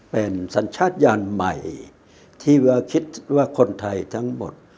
เป็นสัญชาติยานใหม่ที่ว่าคิดว่าคนไทยทั้งหมด